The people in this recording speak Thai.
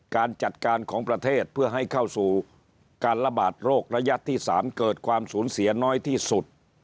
การจัดการของประเทศเพื่อให้เข้าสู่การระบาดโรคระยะที่๓เกิดความสูญเสียน้อยที่สุด